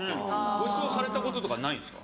ごちそうされたこととかないんですか？